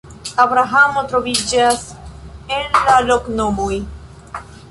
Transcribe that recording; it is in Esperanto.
Abrahamo troviĝas en la loknomoj.